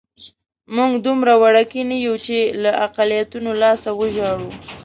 موږ دومره وړوکي نه یو چې له اقلیتونو لاسه وژاړو.